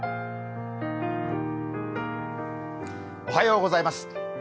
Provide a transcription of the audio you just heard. おはようございます。